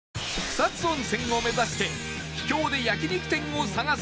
草津温泉を目指して秘境で焼肉店を探す